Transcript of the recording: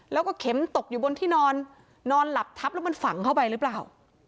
แล้วก็เข็มตกอยู่บนที่นอนนอนหลับทับแล้วมันฝังเข้าไปหรือเปล่า